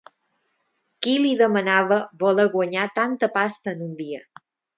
Qui li demanava voler guanyar tanta pasta en un dia?